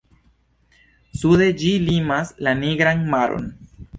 Sude ĝi limas la Nigran maron.